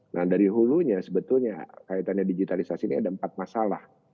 nah dari hulunya sebetulnya kaitannya digitalisasi ini ada empat masalah